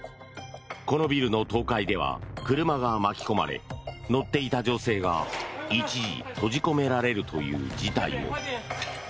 このビルの倒壊では車が巻き込まれ乗っていた女性が一時、閉じ込められるという事態も。